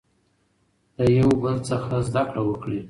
له یو بل څخه زده کړه وکړئ.